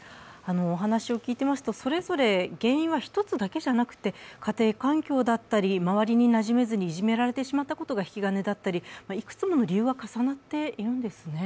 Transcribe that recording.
お話を聞いていますとそれぞれ原因は１つだけじゃなくて家庭環境だったり周りになじめずにいじめられてしまったことが引き金だったり、いくつもの理由が重なっているんですね。